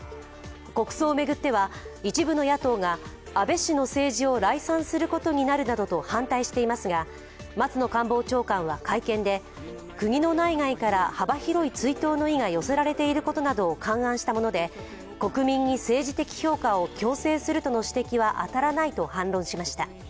国葬を巡っては一部の野党が安倍氏の政治を礼賛することになるなどと反対していますが松野官房長官は会見で、国の内外から幅広い追悼の意が寄せられていることなどを勘案したもので国民に政治的評価を強制するとの指摘は当たらないと反論しました。